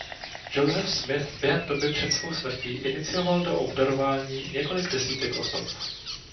Joseph Smith během doby před svou smrtí inicioval do Obdarování několik desítek osob.